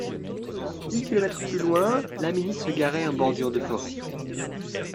Dix kilomètres plus loin, la Mini se garait en bordure de forêt.